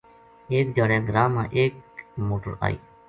ایک دھیاڑے گراں ما ایک موٹر آئی